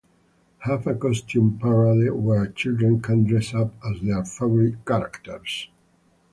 Have a costume parade where children can dress up as their favorite characters.